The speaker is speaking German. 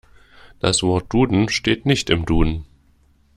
Das Wort Duden steht nicht im Duden.